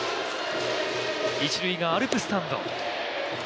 一塁側アルプススタンド